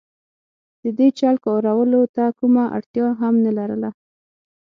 د دې چل کارولو ته کومه اړتیا هم نه لرله.